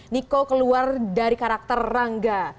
niko keluar dari karakter rangga